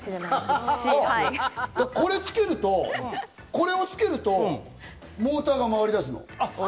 あっ、これつけると、モーターが回り出すの。